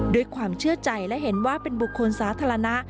ด้วยความเชื่อใจและเห็นว่าเป็นบุคคลสาธารณะ